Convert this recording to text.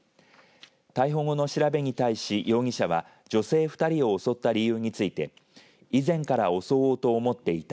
逮捕後の調べに対し、容疑者は女性２人を襲った理由について以前から襲おうと思っていた。